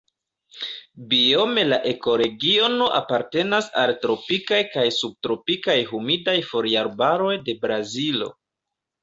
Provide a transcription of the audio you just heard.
Biome la ekoregiono apartenas al tropikaj kaj subtropikaj humidaj foliarbaroj de Brazilo.